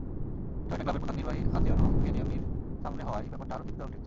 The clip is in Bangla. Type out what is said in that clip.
জয়টা ক্লাবের প্রধান নির্বাহী আদ্রিয়ানো গ্যাল্লিয়ানির সামনে হওয়ায় ব্যাপারটা আরও তৃপ্তিদায়ক ঠেকছে।